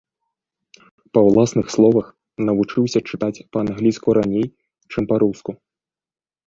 Па ўласных словах, навучыўся чытаць па-англійску раней, чым па-руску.